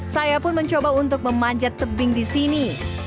saya pun mencoba untuk memanjat tebing di sini